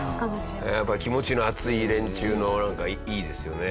やっぱり気持ちの熱い連中のなんかいいですよね。